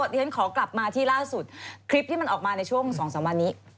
เดี๋ยวฉันขอกลับมาที่ล่าสุดคลิปที่มันออกมาในช่วง๒๓วันนี้